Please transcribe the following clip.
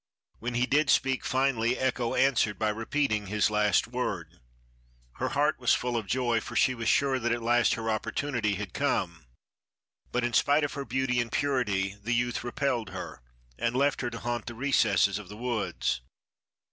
When he did speak, finally, Echo answered by repeating his last word. Her heart was full of joy, for she was sure that at last her opportunity had come. But in spite of her beauty and purity the youth repelled her, and left her to haunt the recesses of the woods.